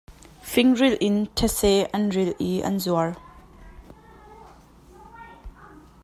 Fingrilh in ṭhase an rilh i an zuar.